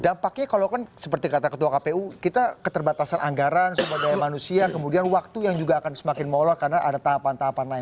dampaknya kalau kan seperti kata ketua kpu kita keterbatasan anggaran sumber daya manusia kemudian waktu yang juga akan semakin molok karena ada tahapan tahapan lain